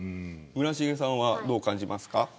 村重さんは、どう感じますか。